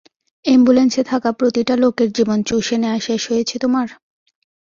অ্যাম্বুলেন্সে থাকা প্রতিটা লোকের জীবন চুষে নেয়া শেষ হয়েছে তোমার?